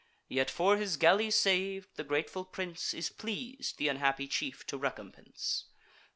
Yet, for his galley sav'd, the grateful prince Is pleas'd th' unhappy chief to recompense.